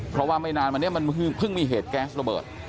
เพราะว่าไม่นานมาเนี่ยมันเพิ่งมีเหตุแก๊สระเบิด